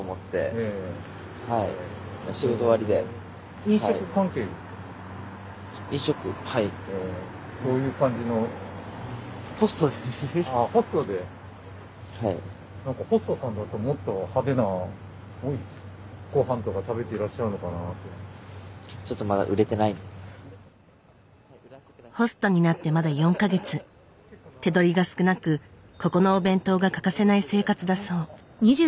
手取りが少なくここのお弁当が欠かせない生活だそう。